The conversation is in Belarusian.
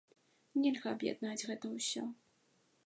Нельга аб'яднаць гэта ўсё.